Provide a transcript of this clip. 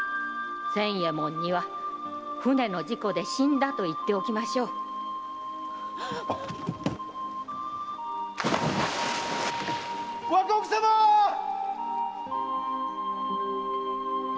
〔仙右衛門には舟の事故で死んだと言っておきましょう〕〔若奥様ー！〕